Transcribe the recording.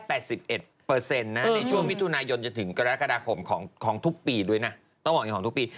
ในช่วงมิถุนายนจนถึงกรกฎาคมของทุกปีด้วยนะต้องบอกอย่างนี้ของทุกปี